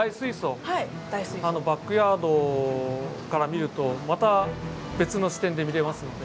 バックヤードから見るとまた別の視点で見れますので。